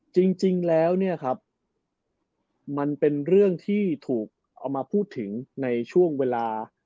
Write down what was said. จริงจริงแล้วมันเป็นเรื่องที่ถูกเอามาพูดถึงในช่วงเวลา